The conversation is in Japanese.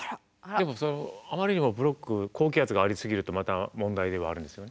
でもあまりにもブロック高気圧がありすぎるとまた問題ではあるんですよね？